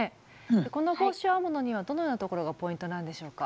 この帽子を編むのにはどのようなところがポイントなんでしょうか？